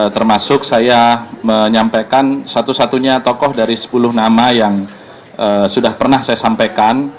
termasuk saya menyampaikan satu satunya tokoh dari sepuluh nama yang sudah pernah saya sampaikan